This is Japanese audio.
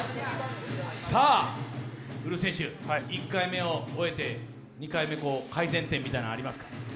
ウルフ選手、１回目を終えて、２回目改善点みたいなのありますか？